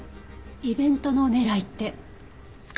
イベントの狙いって？